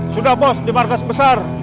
sudah bos di markas besar